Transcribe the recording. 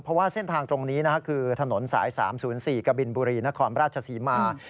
เพราะว่าเส้นทางตรงนี้คือถนนสาย๓๐๔กบินบุรีนครราชศรีมา